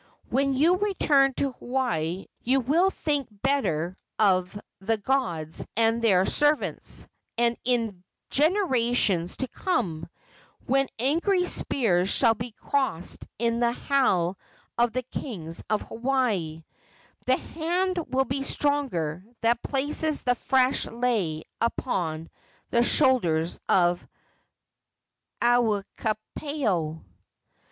"When you return to Hawaii you will think better of the gods and their servants; and in generations to come, when angry spears shall be crossed in the hale of the kings of Hawaii, the hand will be stronger that places the fresh lei upon the shoulders of Akuapaao."